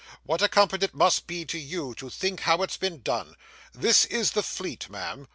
What a comfort it must be, to you, to think how it's been done! This is the Fleet, ma'am.